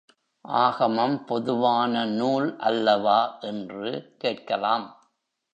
ஆகமம் பொதுவான நூல் அல்லவா என்று கேட்கலாம்.